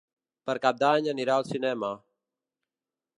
Per Cap d'Any anirà al cinema.